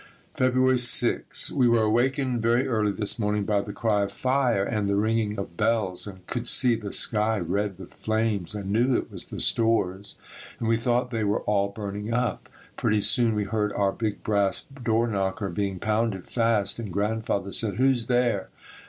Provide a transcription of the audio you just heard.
February 6. We were awakened very early this morning by the cry of fire and the ringing of bells and could see the sky red with flames and knew it was the stores and we thought they were all burning up. Pretty soon we heard our big brass door knocker being pounded fast and Grandfather said, "Who's there?"